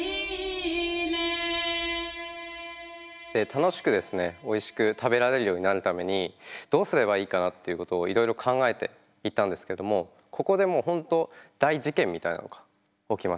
楽しくですねおいしく食べられるようになるためにどうすればいいかなっていうことをいろいろ考えていったんですけどもここでもう本当大事件みたいなのが起きました。